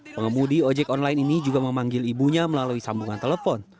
pengemudi ojek online ini juga memanggil ibunya melalui sambungan telepon